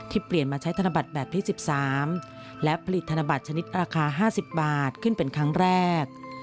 เปลี่ยนมาใช้ธนบัตรแบบที่๑๓และผลิตธนบัตรชนิดราคา๕๐บาทขึ้นเป็นครั้งแรก